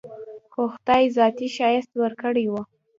خو خداى ذاتي ښايست وركړى و.